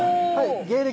芸歴